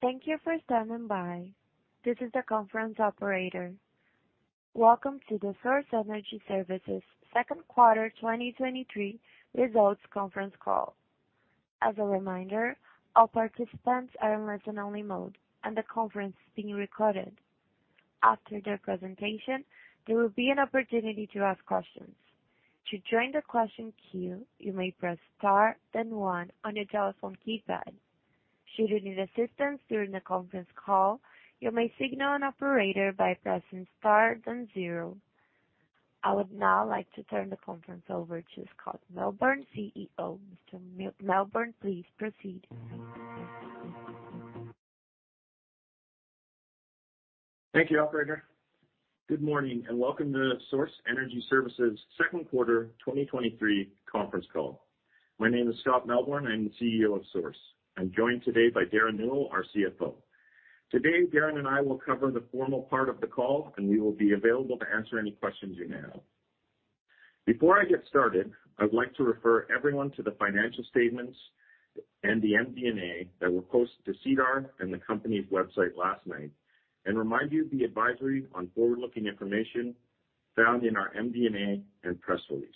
Thank you for standing by. This is the conference operator. Welcome to the Source Energy Services second quarter 2023 results conference call. As a reminder, all participants are in listen-only mode and the conference is being recorded. After their presentation, there will be an opportunity to ask questions. To join the question queue, you may press Star, then one on your telephone keypad. Should you need assistance during the conference call, you may signal an operator by pressing Star, then zero. I would now like to turn the conference over to Scott Melbourn, CEO. Mr. Melbourn, please proceed. Thank you, operator. Good morning, and welcome to Source Energy Services second quarter 2023 conference call. My name is Scott Melbourn. I'm the CEO of Source. I'm joined today by Derren Newell, our CFO. Today, Derren and I will cover the formal part of the call, and we will be available to answer any questions you may have. Before I get started, I'd like to refer everyone to the financial statements and the MD&A that were posted to SEDAR and the company's website last night and remind you of the advisory on forward-looking information found in our MD&A and press release.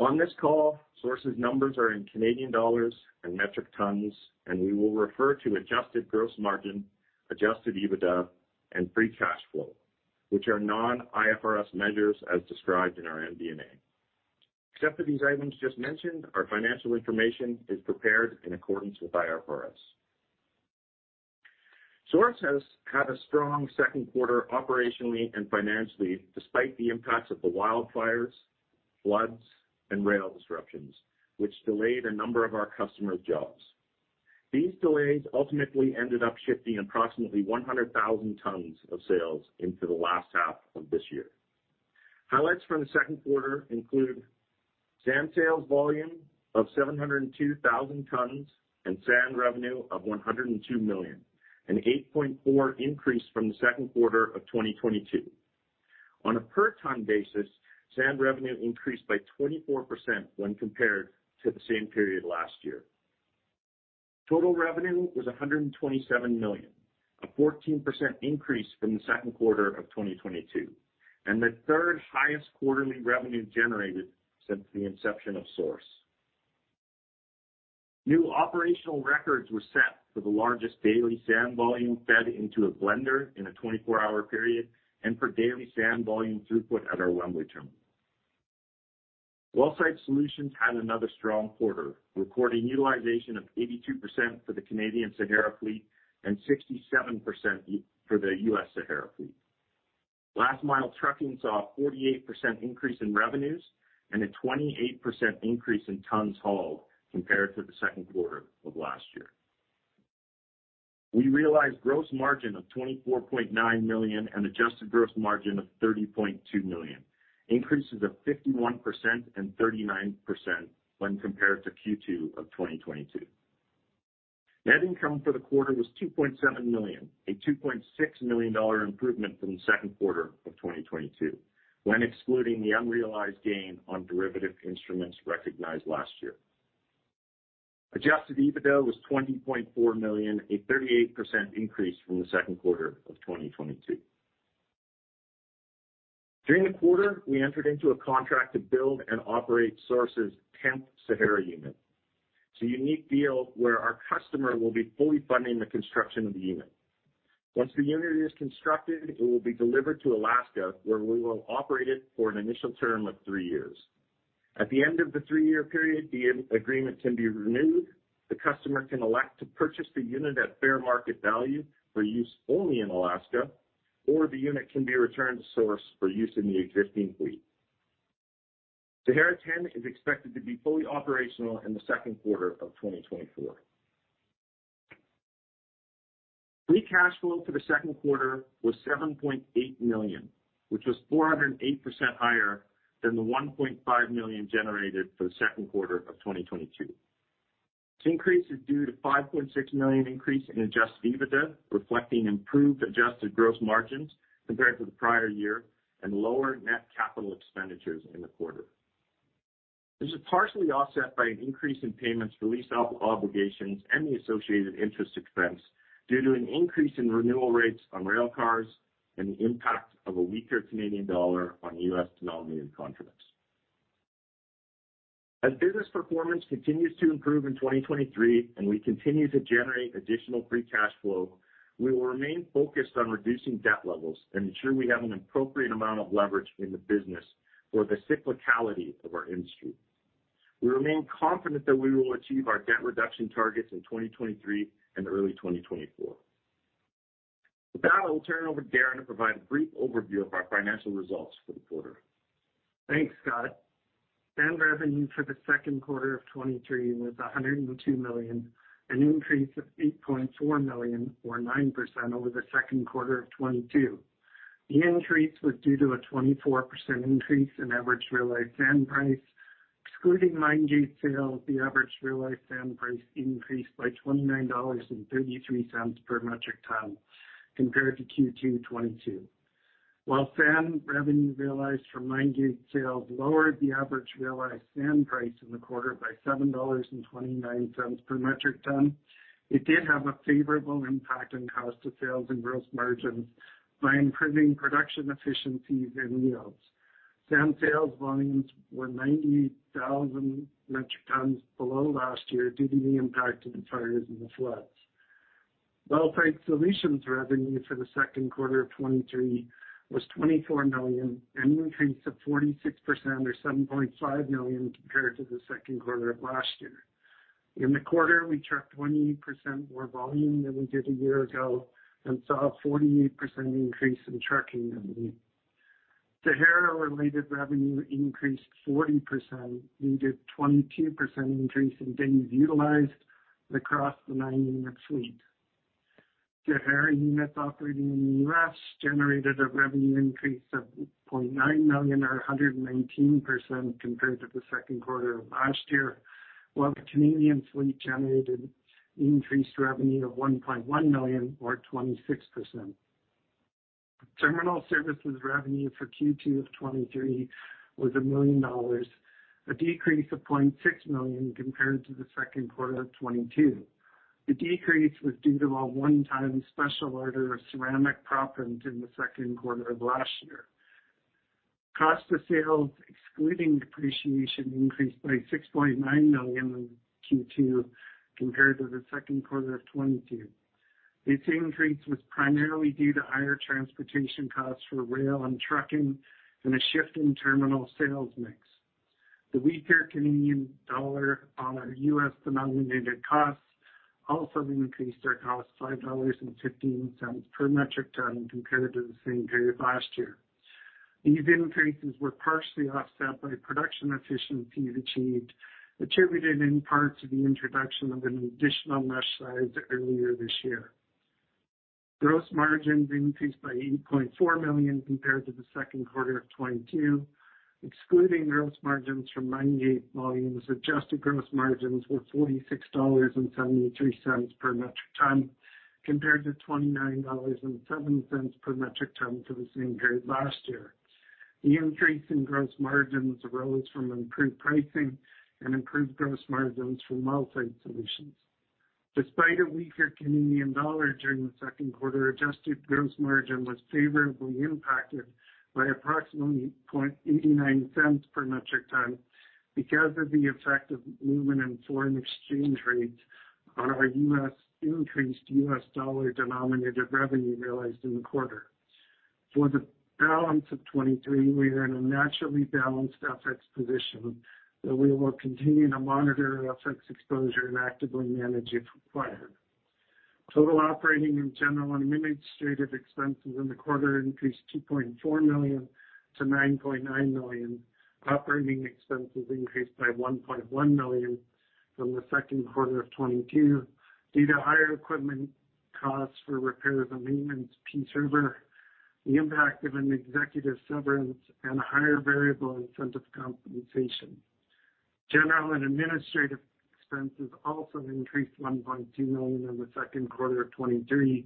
On this call, Source's numbers are in Canadian dollars and metric tons, and we will refer to adjusted gross margin, adjusted EBITDA, and free cash flow, which are non-IFRS measures as described in our MD&A. Except for these items just mentioned, our financial information is prepared in accordance with IFRS. Source has had a strong second quarter operationally and financially, despite the impacts of the wildfires, floods, and rail disruptions, which delayed a number of our customer jobs. These delays ultimately ended up shifting approximately 100,000 tons of sales into the last half of this year. Highlights from the second quarter include sand sales volume of 702,000 tons and sand revenue of 102 million, an 8.4% increase from the second quarter of 2022. On a per ton basis, sand revenue increased by 24% when compared to the same period last year. Total revenue was 127 million, a 14% increase from the second quarter of 2022, and the third highest quarterly revenue generated since the inception of Source. New operational records were set for the largest daily sand volume fed into a blender in a 24-hour period and for daily sand volume throughput at our Wembley terminal. Wellsite Solutions had another strong quarter, recording utilization of 82% for the Canadian Sahara fleet and 67% for the U.S. Sahara fleet. Last mile trucking saw a 48% increase in revenues and a 28% increase in tons hauled compared to the second quarter of last year. We realized gross margin of 24.9 million and adjusted gross margin of 30.2 million, increases of 51% and 39% when compared to Q2 of 2022. Net income for the quarter was 2.7 million, a 2.6 million dollar improvement from the second quarter of 2022, when excluding the unrealized gain on derivative instruments recognized last year. Adjusted EBITDA was 20.4 million, a 38% increase from the second quarter of 2022. During the quarter, we entered into a contract to build and operate Source's tenth Sahara unit. It's a unique deal where our customer will be fully funding the construction of the unit. Once the unit is constructed, it will be delivered to Alaska, where we will operate it for an initial term of three years. At the end of the three-year period, the agreement can be renewed, the customer can elect to purchase the unit at fair market value for use only in Alaska, or the unit can be returned to Source for use in the existing fleet. Sahara 10 is expected to be fully operational in the second quarter of 2024. Free cash flow for the second quarter was 7.8 million, which was 408% higher than the 1.5 million generated for the second quarter of 2022. This increase is due to 5.6 million increase in adjusted EBITDA, reflecting improved adjusted gross margins compared to the prior year and lower net capital expenditures in the quarter. This is partially offset by an increase in payments for lease obligations and the associated interest expense due to an increase in renewal rates on rail cars and the impact of a weaker Canadian dollar on US-denominated contracts. As business performance continues to improve in 2023, and we continue to generate additional free cash flow, we will remain focused on reducing debt levels and ensure we have an appropriate amount of leverage in the business for the cyclicality of our industry. We remain confident that we will achieve our debt reduction targets in 2023 and early 2024. With that, I will turn it over to Derren to provide a brief overview of our financial results for the quarter. Thanks, Scott. Sand revenue for the second quarter of 2023 was 102 million, an increase of 8.4 million, or 9% over the second quarter of 2022. The increase was due to a 24% increase in average realized sand price. Excluding mine gate sales, the average realized sand price increased by 29.33 dollars per metric ton compared to Q2 2022. While sand revenue realized from mine gate sales lowered the average realized sand price in the quarter by 7.29 dollars per metric ton, it did have a favorable impact on cost of sales and gross margins by improving production efficiencies and yields. Sand sales volumes were 98,000 metric tons below last year due to the impact of the fires and the floods. Wellsite Solutions revenue for the second quarter of 2023 was 24 million, an increase of 46% or 7.5 million compared to the second quarter of 2022. In the quarter, we trucked 28% more volume than we did a year ago and saw a 48% increase in trucking revenue. Sahara-related revenue increased 40%, due to a 22% increase in days utilized across the mining fleet. Sahara units operating in the US generated a revenue increase of 0.9 million, or 119% compared to the second quarter of last year, while the Canadian fleet generated increased revenue of 1.1 million, or 26%. Terminal services revenue for Q2 of 2023 was 1 million dollars, a decrease of 0.6 million compared to the second quarter of 2022. The decrease was due to a 1-time special order of ceramic proppant in the second quarter of last year. Cost of sales, excluding depreciation, increased by 6.9 million in Q2 compared to the second quarter of 2022. This increase was primarily due to higher transportation costs for rail and trucking and a shift in terminal sales mix. The weaker Canadian dollar on our US denominated costs also increased our cost 5.15 per metric ton compared to the same period last year. These increases were partially offset by production efficiencies achieved, attributed in part to the introduction of an additional mesh size earlier this year. Gross margins increased by 8.4 million compared to the second quarter of 2022. Excluding gross margins from mine gate volumes, adjusted gross margins were 46.73 dollars per metric ton, compared to 29.07 dollars per metric ton for the same period last year. The increase in gross margins arose from improved pricing and improved gross margins from Wellsite Solutions. Despite a weaker Canadian dollar during the second quarter, adjusted gross margin was favorably impacted by approximately 0.89 per metric ton because of the effect of movement in foreign exchange rates on our increased US dollar denominated revenue realized in the quarter. For the balance of 2023, we are in a naturally balanced FX position, we will continue to monitor FX exposure and actively manage if required. Total operating and general and administrative expenses in the quarter increased 2.4 million to 9.9 million. Operating expenses increased by 1.1 million from the second quarter of 2022 due to higher equipment costs for repairs and maintenance, Peace River, the impact of an executive severance, and higher variable incentive compensation. General and administrative expenses also increased 1.2 million in the second quarter of 2023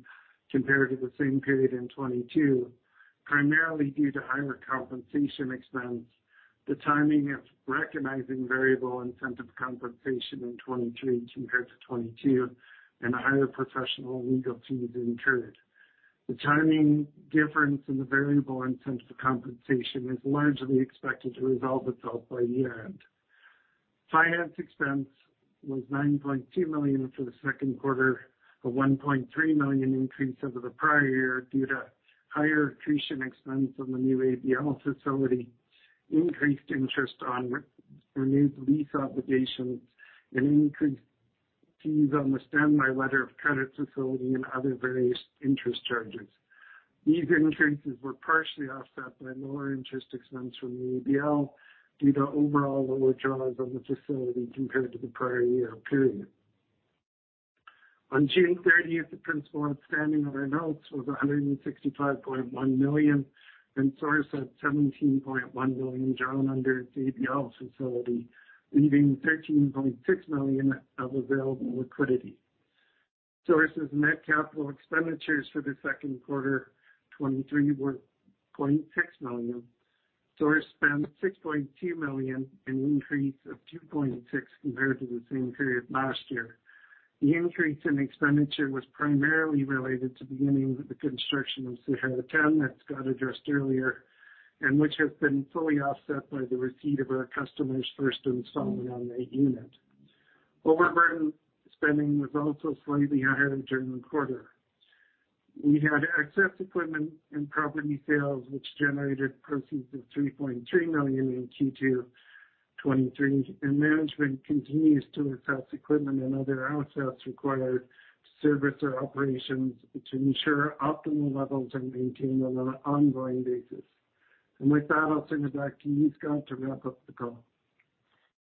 compared to the same period in 2022, primarily due to higher compensation expense, the timing of recognizing variable incentive compensation in 2023 compared to 2022, and higher professional legal fees incurred. The timing difference in the variable incentive compensation is largely expected to resolve itself by year-end. Finance expense was 9.2 million for the second quarter, a 1.3 million increase over the prior year due to higher accretion expense on the new ABL facility, increased interest on renewed lease obligations, an increase fees on the standby letter of credit facility and other various interest charges. These increases were partially offset by lower interest expense from the ABL due to overall lower draws on the facility compared to the prior year period. On June 30th, the principal outstanding on our notes was 165.1 million, and Source had 17.1 million drawn under its ABL facility, leaving 13.6 million of available liquidity. Source's net capital expenditures for Q2 2023 were 0.6 million. Source spent 6.2 million, an increase of 2.6 million compared to the same period last year. The increase in expenditure was primarily related to beginning the construction of Sahara 10, that Scott addressed earlier, and which has been fully offset by the receipt of our customer's first installment on that unit. Overburden spending was also slightly higher during the quarter. We had excess equipment and property sales, which generated proceeds of 3.3 million in Q2 2023. Management continues to assess equipment and other assets required to service our operations to ensure optimal levels are maintained on an ongoing basis. With that, I'll turn it back to Scott to wrap up the call.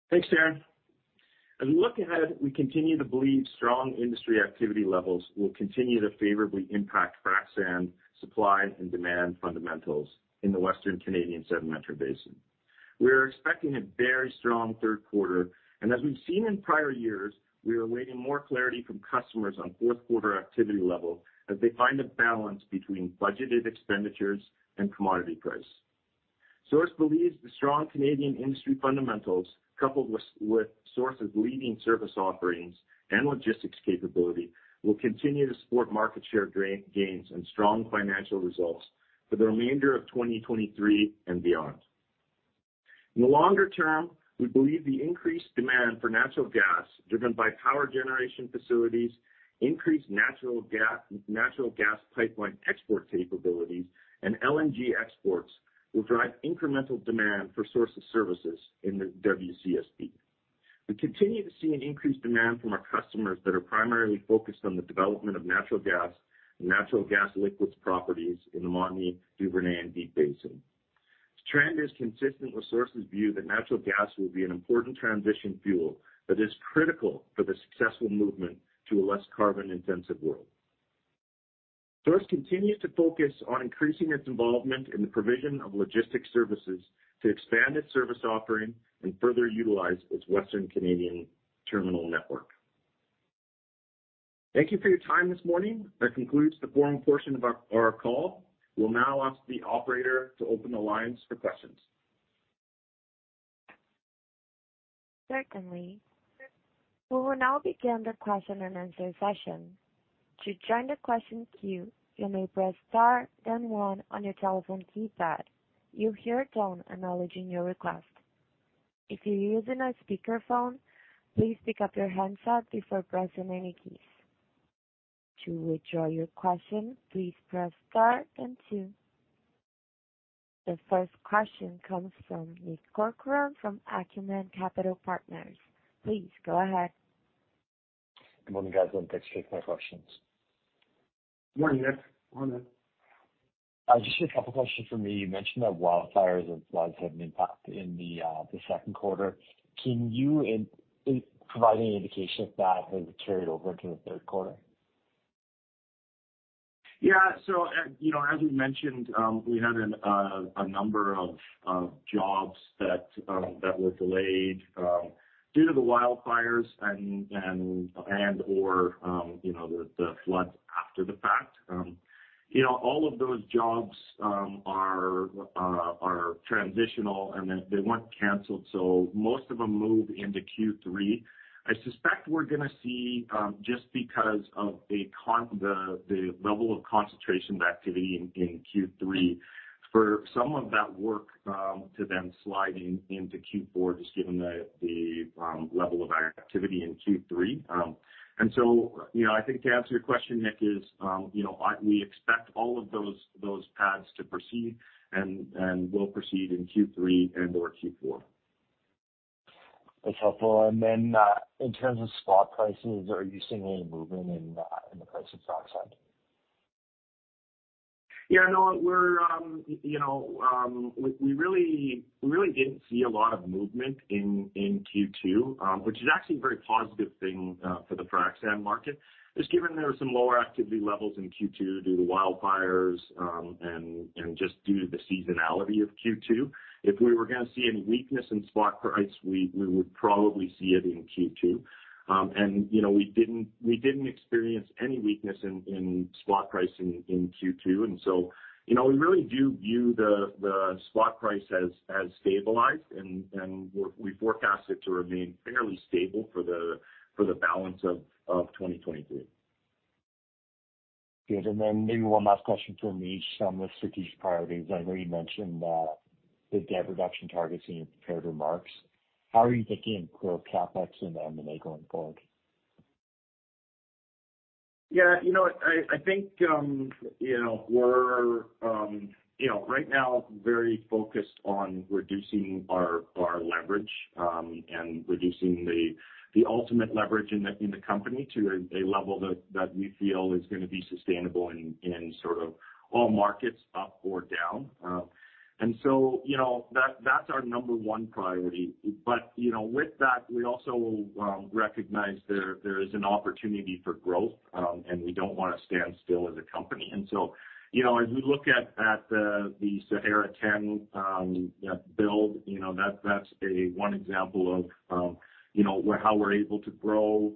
Thanks, Derren. As we look ahead, we continue to believe strong industry activity levels will continue to favorably impact frac sand supply and demand fundamentals in the Western Canadian Sedimentary Basin. We are expecting a very strong third quarter, and as we've seen in prior years, we are awaiting more clarity from customers on fourth quarter activity level as they find a balance between budgeted expenditures and commodity price. Source believes the strong Canadian industry fundamentals, coupled with Source's leading service offerings and logistics capability, will continue to support market share gains and strong financial results for the remainder of 2023 and beyond. In the longer term, we believe the increased demand for natural gas, driven by power generation facilities, increased natural gas pipeline export capabilities, and LNG exports, will drive incremental demand for Source of services in the WCSB. We continue to see an increased demand from our customers that are primarily focused on the development of natural gas and natural gas liquids properties in the Montney, Duvernay, and Deep Basin. This trend is consistent with Source's view that natural gas will be an important transition fuel that is critical for the successful movement to a less carbon-intensive world. Source continues to focus on increasing its involvement in the provision of logistic services to expand its service offering and further utilize its Western Canadian terminal network. Thank you for your time this morning. That concludes the forum portion of our call. We'll now ask the operator to open the lines for questions. Certainly. We will now begin the question-and-answer session. To join the question queue, you may press star, then one on your telephone keypad. You'll hear a tone acknowledging your request. If you're using a speakerphone, please pick up your handset before pressing any keys. To withdraw your question, please press star and two. The first question comes from Nick Corcoran from Acumen Capital Partners. Please go ahead. Good morning, guys. Thanks. Take my questions. Good morning, Nick. Morning. Just a couple questions for me. You mentioned that wildfires and floods had an impact in the second quarter. Can you provide any indication if that has carried over into the third quarter? Yeah. You know, as we mentioned, we had a number of jobs that were delayed due to the wildfires and/or, you know, the floods after the fact. You know, all of those jobs are transitional and then they weren't canceled, so most of them moved into Q3. I suspect we're gonna see, just because of the level of concentration of activity in Q3, for some of that work to then slide into Q4, just given the level of activity in Q3. You know, we expect all of those pads to proceed and will proceed in Q3 and/or Q4. That's helpful. Then, in terms of spot prices, are you seeing any movement in the price of frac sand? Yeah, no, we're, you know, we, we really, we really didn't see a lot of movement in, in Q2, which is actually a very positive thing for the frac sand market. Just given there are some lower activity levels in Q2 due to wildfires, and just due to the seasonality of Q2. If we were gonna see any weakness in spot price, we, we would probably see it in Q2. You know, we didn't, we didn't experience any weakness in, in spot price in, in Q2. So, you know, we really do view the, the spot price as, as stabilized, and we forecast it to remain fairly stable for the, for the balance of 2023. Good. Then maybe one last question from me on the strategic priorities. I know you mentioned the debt reduction targets in your prepared remarks. How are you thinking of growth, CapEx and M&A going forward? Yeah, you know what? I, I think, you know, we're, you know, right now very focused on reducing our, our leverage, and reducing the, the ultimate leverage in the, in the company to a, a level that, that we feel is gonna be sustainable in, in sort of all markets, up or down. You know, that, that's our number one priority. You know, with that, we also recognize there, there is an opportunity for growth, and we don't wanna stand still as a company. You know, as we look at, at, the Sahara 10, you know, build, you know, that's, that's a one example of, you know, how we're able to grow,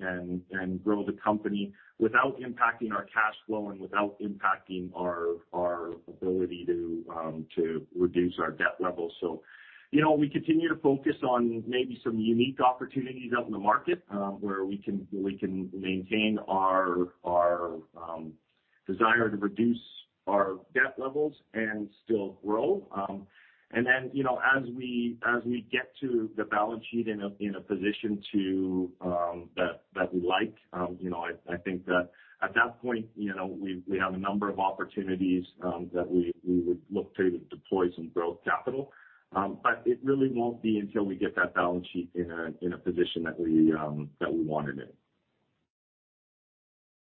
and, and grow the company without impacting our cash flow and without impacting our, our ability to, to reduce our debt levels. You know, we continue to focus on maybe some unique opportunities out in the market, where we can, we can maintain our, our desire to reduce our debt levels and still grow. You know, as we, as we get to the balance sheet in a, in a position to, that, that we like, you know, I, I think that at that point, you know, we, we have a number of opportunities, that we, we would look to deploy some growth capital. It really won't be until we get that balance sheet in a, in a position that we, that we wanted it.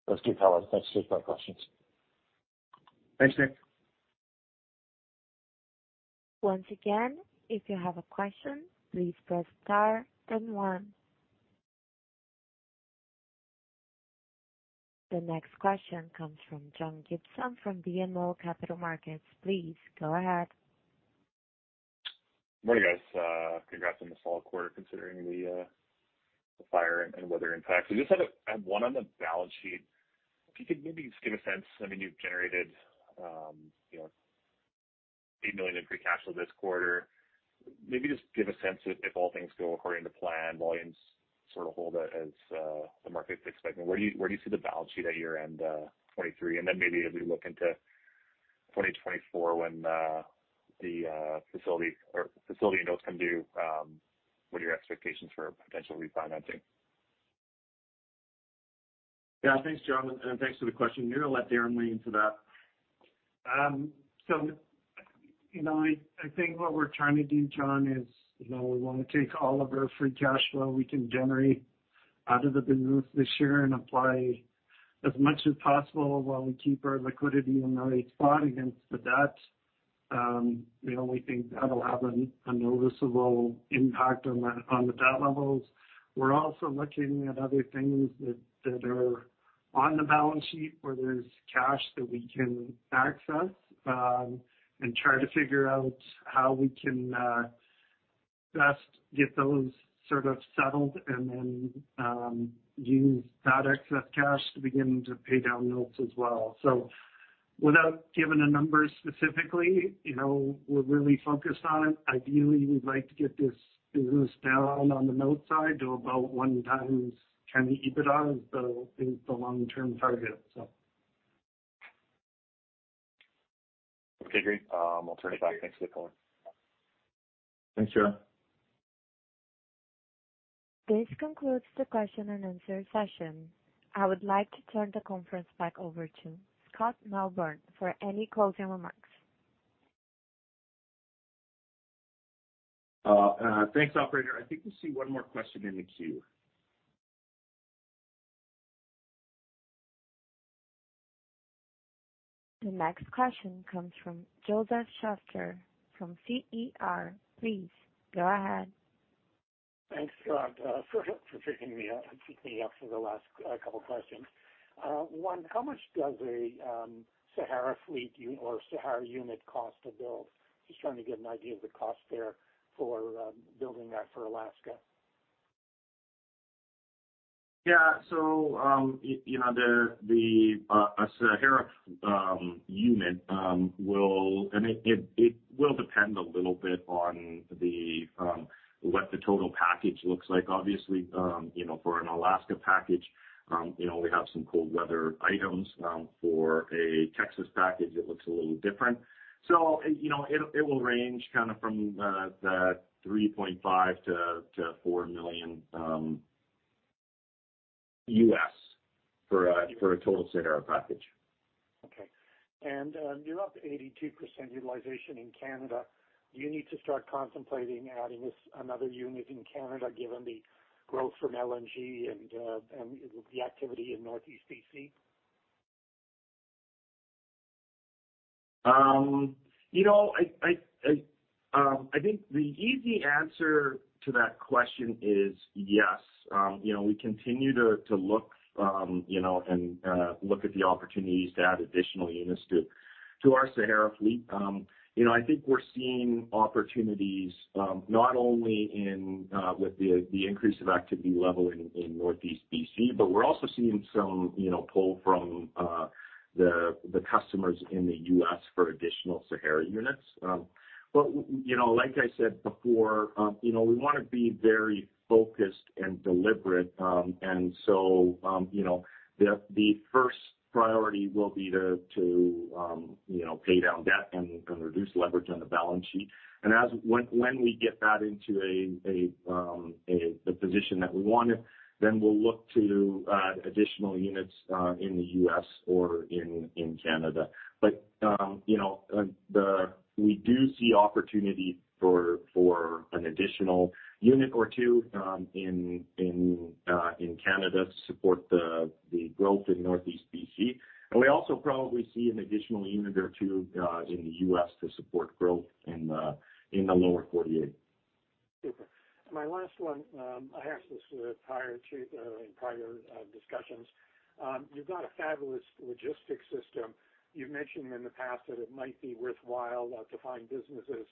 That's good. Thanks. Thanks for my questions. Thanks, Nick. Once again, if you have a question, please press star and one. The next question comes from John Gibson from BMO Capital Markets. Please go ahead. Good morning, guys. congrats on the solid quarter, considering the fire and weather impact. We just had a... I have one on the balance sheet. If you could maybe just give a sense, I mean, you've generated, you know, 8 million in free cash flow this quarter. Maybe just give a sense if, if all things go according to plan, volumes sort of hold as the market is expecting, where do you, where do you see the balance sheet at year-end 2023? Then maybe as we look into 2024 when the facility or facility notes come due, what are your expectations for potential refinancing? Yeah. Thanks, John, and thanks for the question. I'm going to let Derren weigh into that. You know, I, I think what we're trying to do, John, is, you know, we want to take all of our free cash flow we can generate out of the business this year and apply as much as possible while we keep our liquidity in the right spot against the debt. You know, we think that'll have a, a noticeable impact on the, on the debt levels. We're also looking at other things that, that are on the balance sheet, where there's cash that we can access, and try to figure out how we can best get those sort of settled and then use that excess cash to begin to pay down notes as well. Without giving a number specifically, you know, we're really focused on it. Ideally, we'd like to get this business down on the note side to about one times kind of EBITDA is the long-term target, so. Okay, great. I'll turn it back. Thanks for the call. Thanks, John. This concludes the question and answer session. I would like to turn the conference back over to Scott Melbourn for any closing remarks. Thanks, operator. I think we see one more question in the queue. The next question comes from Josef Schachter from Schachter Energy Research. Please go ahead. Thanks, Scott, for picking me up, and picking me up for the last couple questions. One, how much does a Sahara fleet or Sahara unit cost to build? Just trying to get an idea of the cost there for building that for Alaska. Yeah. You know, the Sahara unit will. It will depend a little bit on what the total package looks like. Obviously, you know, for an Alaska package, you know, we have some cold weather items. For a Texas package, it looks a little different. You know, it will range kind of from the $3.5 million-$4 million for a total Sahara package. Okay. you're up 82% utilization in Canada. Do you need to start contemplating adding this, another unit in Canada, given the growth from LNG and the activity in Northeast BC? You know, I, I, I, I think the easy answer to that question is yes. You know, we continue to, to look, you know, and, look at the opportunities to add additional units to, to our Sahara fleet. You know, I think we're seeing opportunities, not only in, with the, the increase of activity level in, in Northeast BC, but we're also seeing some, you know, pull from, the, the customers in the U.S. for additional Sahara units. You know, like I said before, you know, we want to be very focused and deliberate. You know, the, the first priority will be to, to, you know, pay down debt and, and reduce leverage on the balance sheet. As... When we get that into a position that we want it, then we'll look to additional units in the US or in Canada. You know, the, we do see opportunity for an additional unit or two in Canada to support the, the growth in Northeast BC. We also probably see an additional unit or two in the US to support growth in the, in the lower 48. Super. My last one, I asked this with prior chief, in prior, discussions. You've got a fabulous logistics system. You've mentioned in the past that it might be worthwhile, to find businesses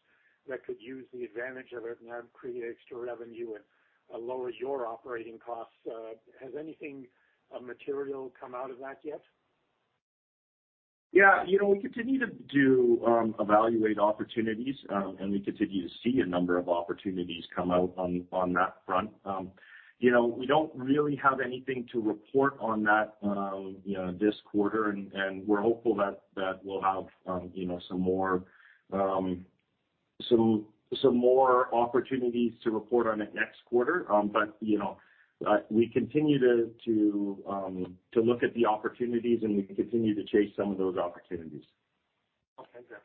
that could use the advantage of it and create extra revenue and, lower your operating costs. Has anything, material come out of that yet? Yeah. You know, we continue to evaluate opportunities, and we continue to see a number of opportunities come out on that front. You know, we don't really have anything to report on that, you know, this quarter, and we're hopeful that we'll have, you know, some more opportunities to report on it next quarter. You know, we continue to look at the opportunities, and we continue to chase some of those opportunities. Okay, great.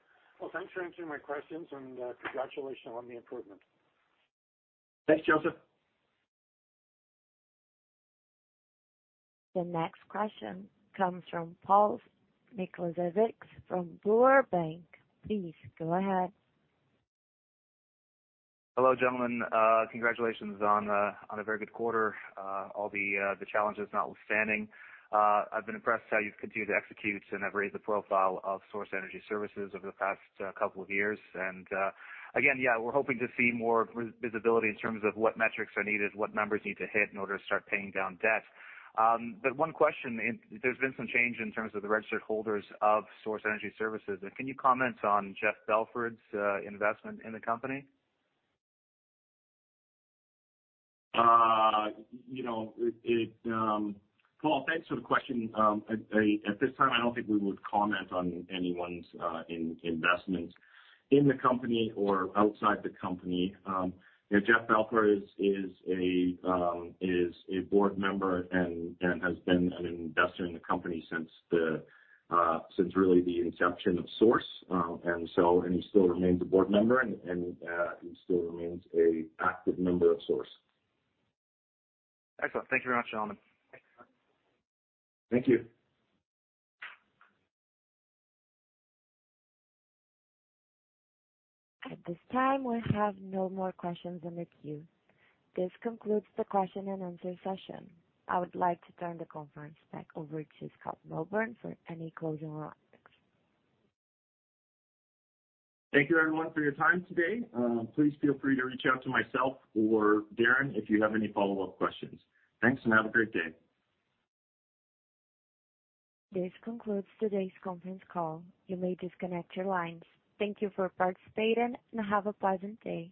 Thanks for answering my questions, and congratulations on the improvement. Thanks, Josef. The next question comes from Paul Mikalachki from Bloomberg. Please go ahead. Hello, gentlemen. Congratulations on a very good quarter. All the challenges notwithstanding, I've been impressed how you've continued to execute and have raised the profile of Source Energy Services over the past couple of years. Again, yeah, we're hoping to see more re- visibility in terms of what metrics are needed, what numbers you need to hit in order to start paying down debt. One question, and there's been some change in terms of the registered holders of Source Energy Services. Can you comment on Jeff Belford's investment in the company? You know, it, it... Paul, thanks for the question. At this time, I don't think we would comment on anyone's investments in the company or outside the company. You know, Jeff Belford is a board member and has been an investor in the company since really the inception of Source. He still remains a board member, and he still remains an active member of Source. Excellent. Thank you very much, gentlemen. Thank you. At this time, we have no more questions in the queue. This concludes the question and answer session. I would like to turn the conference back over to Scott Melbourn for any closing remarks. Thank you everyone for your time today. Please feel free to reach out to myself or Derren if you have any follow-up questions. Thanks, have a great day. This concludes today's conference call. You may disconnect your lines. Thank you for participating, and have a pleasant day.